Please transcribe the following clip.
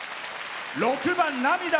６番「涙」